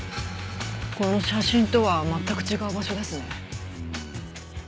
この写真とは全く違う場所ですね。